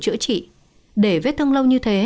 chữa trị để vết thân lâu như thế